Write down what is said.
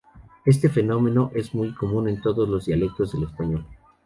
Este fenómeno es muy común en todos los dialectos del español.